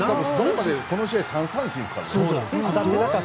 この試合３三振ですからね。